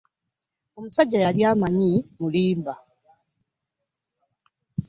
Omusajja yali amanyi mmulimba.